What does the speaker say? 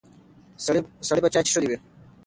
سړی به چای څښلی وي.